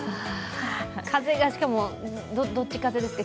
風が、しかも、どっち風ですか？